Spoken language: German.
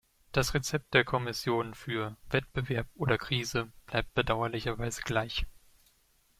Das Rezept der Kommission für "Wettbewerb oder Krise" bleibt bedauerlicherweise gleich.